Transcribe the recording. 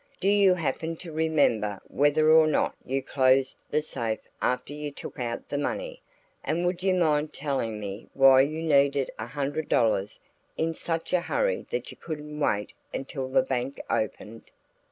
Do you happen to remember whether or not you closed the safe after you took out the money, and would you mind telling me why you needed a hundred dollars in such a hurry that you couldn't wait until the bank opened?"